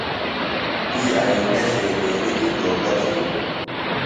تی آیئندہ شیطینیۡ دی توبہ تِھیلوۡ۔